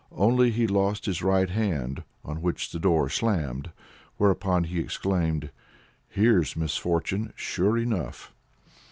Only he lost his right hand, on which the door slammed: whereupon he exclaimed 'Here's misfortune, sure enough!'"